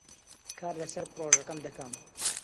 کار لەسەر پرۆژەکەم دەکەم.